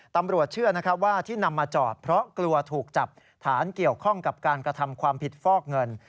ตำรวจเชื่อนะครับว่าที่นำมาจอดเพราะกลัวถูกจับฐานเกี่ยวข้องกับการกระทำความผิดฟอกเงิน